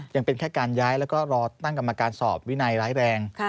ยังเป็นแค่การย้ายแล้วก็รอตั้งกรรมการสอบวินัยร้ายแรง